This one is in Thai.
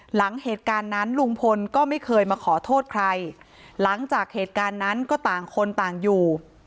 หลังจากนั้นลุงพลก็ไม่เคยมาขอโทษใครหลังจากเหตุการณ์นั้นก็ต่างคนต่างอยู่